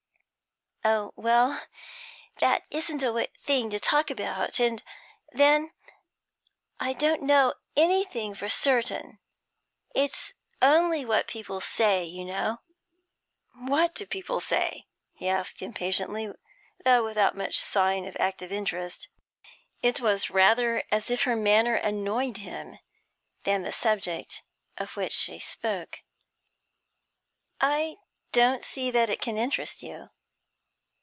'Oh well, that isn't a thing to talk about. And then I don't know anything for certain. It's only what people say you know.' 'What do people say?' he asked, impatiently, though without much sign of active interest. It was rather as if her manner annoyed him, than the subject of which she spoke. 'I don't see that it can interest you.'